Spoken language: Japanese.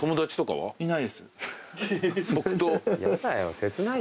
はい。